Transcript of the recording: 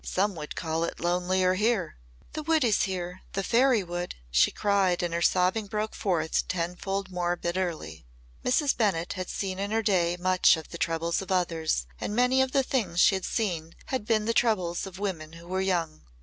Some would call it lonelier here." "The wood is here the fairy wood!" she cried and her sobbing broke forth tenfold more bitterly. Mrs. Bennett had seen in her day much of the troubles of others and many of the things she had seen had been the troubles of women who were young.